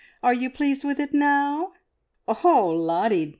Are you pleased with it now?" "Oh h, Lottie!